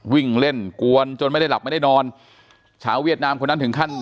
วิ่งเล่นกวนจนไม่ได้หลับไม่ได้นอนชาวเวียดนามคนนั้นถึงขั้น